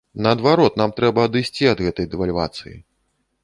Наадварот, нам трэба адысці ад гэтай дэвальвацыі.